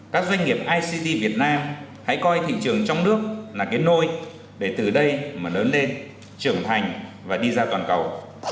các doanh nghiệp ict việt nam hãy coi thị trường trong nước là cái nôi để từ đây mà lớn lên trưởng thành và đi ra toàn cầu